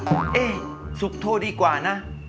เอ๊ะสุขโทดีกว่านะ